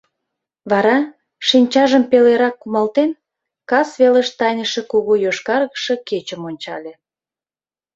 Вара, шинчажым пелерак кумалтен, кас велыш тайныше кугу йошкаргыше кечым ончале.